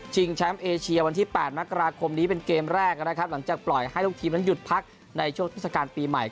แชมป์เอเชียวันที่๘มกราคมนี้เป็นเกมแรกนะครับหลังจากปล่อยให้ลูกทีมนั้นหยุดพักในช่วงเทศกาลปีใหม่